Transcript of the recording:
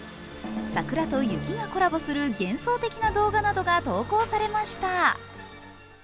桜と雪がコラボする幻想的な動画などが投稿されました。